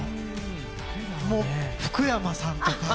福山さんとか。